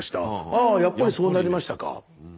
「あやっぱりそうなりましたか」。